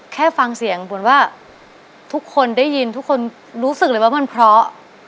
แค่ฟังเสียงบุ๋นว่าทุกคนได้ยินทุกคนรู้สึกเลยว่ามันเพราะ